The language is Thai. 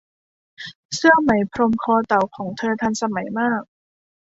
เสื้อไหมพรมคอเต่าของเธอทันสมัยมาก